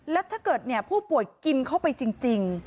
แล้วถ้าเกิดผู้ป่วยกินเข้าไปจริง